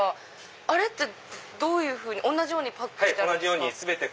あれってどういうふうに同じようにパックしてある？